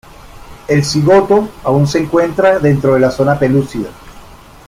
El cigoto aún se encuentra dentro de la zona pelúcida.